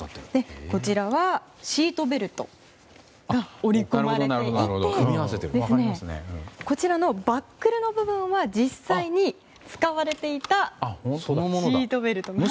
こちらは、シートベルトが織り込まれていてこちらのバックルの部分は実際に使われていたシートベルトです。